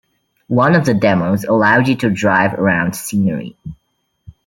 One of the demos allowed you to drive around scenery.